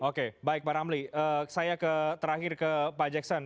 oke baik pak ramli saya terakhir ke pak jackson